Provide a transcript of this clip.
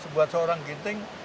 buat seorang ginting